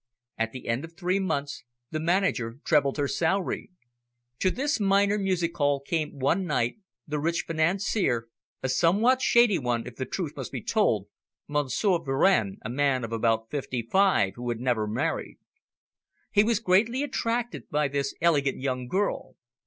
At the end of three months the manager trebled her salary. To this minor music hall came one night the rich financier, a somewhat shady one, if the truth must be told, Monsieur Varenne, a man of about fifty five who had never married. He was greatly attracted by this elegant young girl.